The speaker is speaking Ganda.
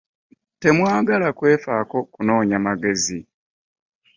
Temwagala kwefaako kunoonya magezi.